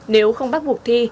nếu không bắt buộc thi